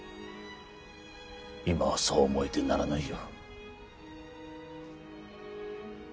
今はそう思えてならないよ。